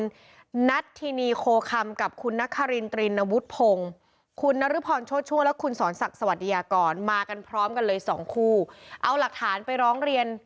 คุณนัทธินีโคคัมกับคุณนฆรินตรินวุทธพง